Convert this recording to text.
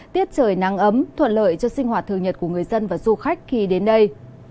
tiết trời nắng ấm thuận lợi cho sinh hoạt thường nhật của người dân và du khách khi đến đây